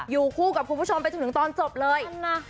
อยู่คู่กับคุณผู้ชมไปจนถึงตอนจบเลยนั่นไง